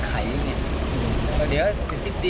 แล้วเหตุผล